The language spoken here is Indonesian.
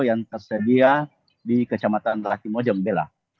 yang tersedia di kecamatan lati mojong bela